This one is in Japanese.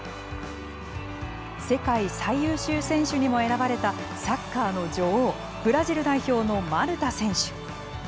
世界最優秀選手にも選ばれたサッカーの女王ブラジル代表のマルタ選手。